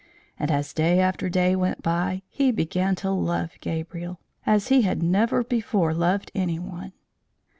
And as day after day went by, he began to love Gabriel, as he had never before loved any one.